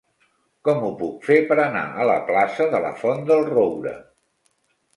Com ho puc fer per anar a la plaça de la Font del Roure?